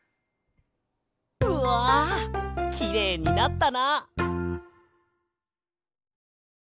うわきれいになったな！